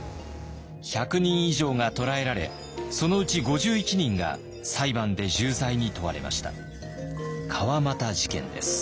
１００人以上が捕らえられそのうち５１人が裁判で重罪に問われました。